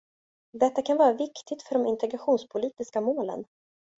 Detta kan vara viktigt för de integrationspolitiska målen.